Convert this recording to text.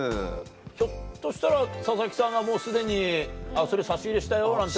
ひょっとしたら佐々木さんがもうすでに「それ差し入れしたよ」なんて。